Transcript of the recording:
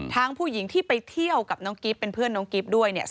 ผู้หญิงที่ไปเที่ยวกับน้องกิ๊บเป็นเพื่อนน้องกิ๊บด้วยเนี่ย